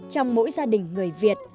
trong mỗi gia đình người việt